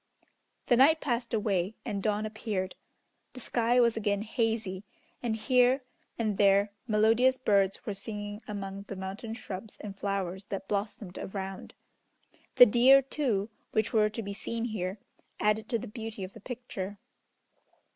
The night passed away, and dawn appeared. The sky was again hazy, and here and there melodious birds were singing among the mountain shrubs and flowers that blossomed around. The deer, too, which were to be seen here, added to the beauty of the picture.